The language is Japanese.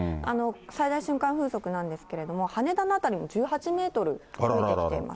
最大瞬間風速なんですけれども、羽田の辺りも１８メートル吹いてきてます。